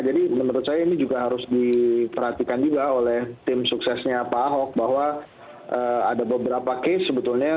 jadi menurut saya ini juga harus diperhatikan juga oleh tim suksesnya pak ahok bahwa ada beberapa kes sebetulnya